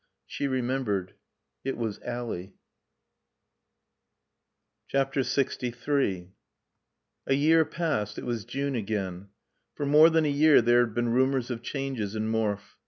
She remembered. It was Ally. LXIII A year passed. It was June again. For more than a year there had been rumors of changes in Morfe.